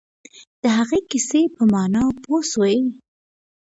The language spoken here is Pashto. د هغې کیسې په مانا پوه سواست؟